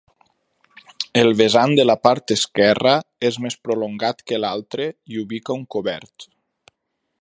El vessant de la part esquerra és més prolongat que l'altre i ubica un cobert.